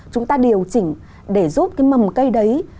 chúng ta điều chỉnh để giúp cái mầm cây đấy